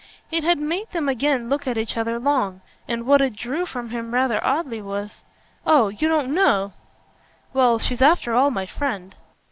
It had made them again look at each other long; and what it drew from him rather oddly was: "Oh you don't know!" "Well, she's after all my friend."